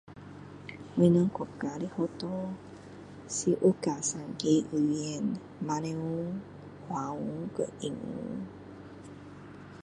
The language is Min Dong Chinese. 我们国家的学校是有教三个语言马来文华文和英文